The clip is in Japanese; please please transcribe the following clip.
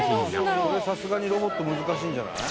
これさすがにロボット難しいんじゃない？